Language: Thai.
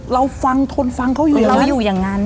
เราฟังทนฟังเขาอยู่อย่างนั้น